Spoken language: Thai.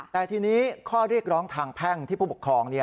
แต่ทีนี้ข้อเรียกร้องทางแพ่งที่ผู้ปกครอง